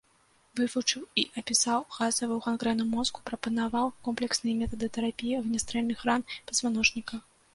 Вывучыў і апісаў газавую гангрэну мозгу, прапанаваў комплексныя метады тэрапіі агнястрэльных ран пазваночніка.